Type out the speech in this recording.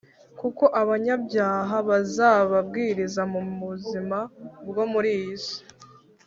kuko [abanyabyaha] bazababarizwa mu buzima bwo muri iyi si